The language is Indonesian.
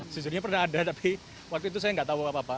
sejujurnya pernah ada tapi waktu itu saya nggak tahu apa apa